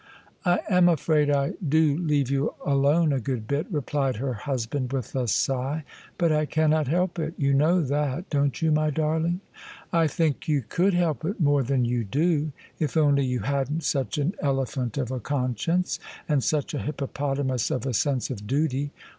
" I am afraid I do leave you alone a good bit," replied her husband with a sigh :" but I cannot help it You know that, dori't you, my darling? "" I think you could help it more than you do, if only you hadn't such an elephant of a conscience and such a hippo potamus of a sense of duty.